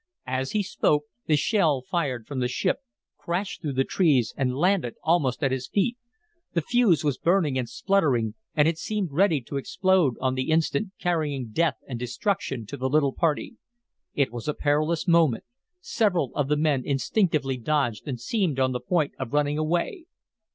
As he spoke the shell fired from the ship crashed through the trees and landed almost at his feet. The fuse was burning and spluttering, and it seemed ready to explode on the instant, carrying death and destruction to the little party. It was a perilous moment. Several of the men instinctively dodged and seemed on the point of running away.